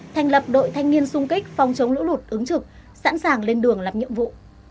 thành lập đội thanh niên sung kích phòng chống lũ lụt ứng trực sẵn sàng lên đường làm nhiệm vụ